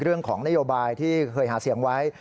เรื่องของนโยบายที่เคยหาเสียงไว้